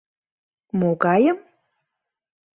Могайым?